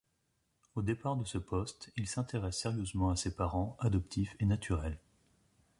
Au départ de ce poste, il s'intéresse sérieusement à ses parents, adoptifs et naturels.